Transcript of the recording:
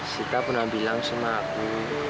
sita pernah bilang sama aku